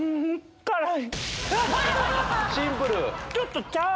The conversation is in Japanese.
シンプル。